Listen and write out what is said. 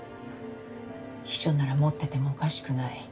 秘書なら持っててもおかしくない。